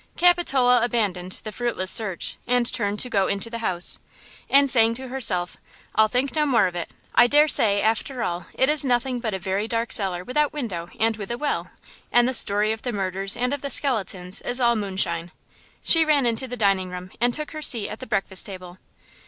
Capitola abandoned the fruitless search, and turned to go into the house. And saying to herself– "I'll think no more of it! I dare say, after all, it is nothing but a very dark cellar without window and with a well, and the story of the murders and of the skeletons is all moonshine," she ran into the dining room and took her seat at the breakfast table.